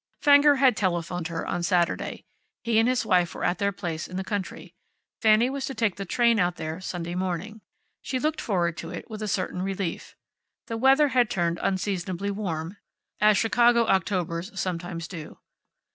Fenger had telephoned her on Saturday. He and his wife were at their place in the country. Fanny was to take the train out there Sunday morning. She looked forward to it with a certain relief. The weather had turned unseasonably warm, as Chicago Octobers sometimes do.